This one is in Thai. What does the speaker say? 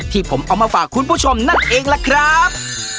ที่ผมเอามาฝากคุณผู้ชมนั่นเองล่ะครับ